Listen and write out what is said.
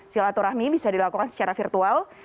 silaturahmi bisa dilakukan secara virtual